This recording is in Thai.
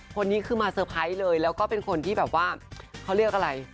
คนนี้คือมาเตอร์ไพรส์เลยแล้วก็เป็นคนที่แบบว่าเขาเรียกอะไร